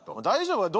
大丈夫？